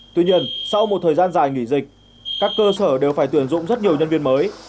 tuy nhiên sau một thời gian dài nghỉ dịch các cơ sở đều phải tuyển dụng rất nhiều nhân viên mới